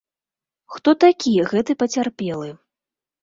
Хто такі гэты пацярпелы?